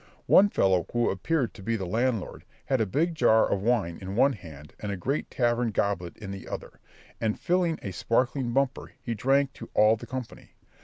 One fellow, who appeared to be the landlord, had a big jar of wine in one hand and a great tavern goblet in the other, and, filling a sparkling bumper, he drank to all the company.